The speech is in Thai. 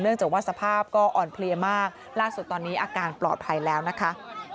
จากว่าสภาพก็อ่อนเพลียมากล่าสุดตอนนี้อาการปลอดภัยแล้วนะคะ